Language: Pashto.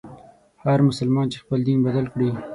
هر مسلمان چي خپل دین بدل کړي.